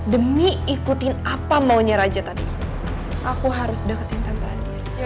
demi ikutin apa maunya raja tadi aku harus deketin tentanis